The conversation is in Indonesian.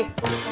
kerja lagi bos